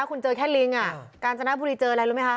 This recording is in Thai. คุณเจอแค่ลิงกาญจนบุรีเจออะไรรู้ไหมคะ